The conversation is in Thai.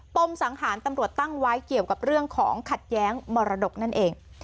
มสังหารตำรวจตั้งไว้เกี่ยวกับเรื่องของขัดแย้งมรดกนั่นเอง